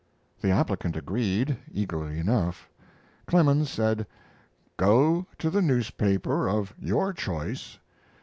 The applicant agreed, eagerly enough. Clemens said: "Go to the newspaper of your choice.